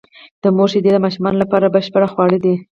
د مور شېدې د ماشوم لپاره بشپړ خواړه دي.